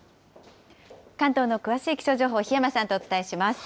関東の詳しい気象情報、檜山さんとお伝えします。